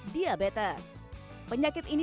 diabetes penyakit ini